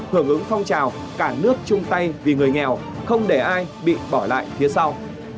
hưởng ứng phong trào cả nước chung tay vì người nghèo không để ai bị bỏ lại phía sau